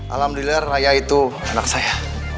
alhamdulillah raya itu anak saya